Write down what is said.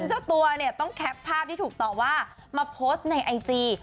เจ้าตัวเนี่ยต้องแคปภาพที่ถูกต่อว่ามาโพสต์ในไอจี